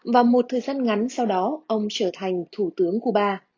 và một thời gian ngắn sau đó ông trở thành thủ tướng cuba